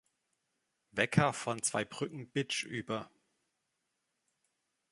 Wecker von Zweibrücken-Bitsch über.